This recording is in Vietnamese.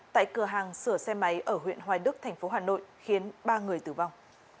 tại cửa hàng sửa xe máy ở huyện hoài đức tp hcm khiến ba người tử vong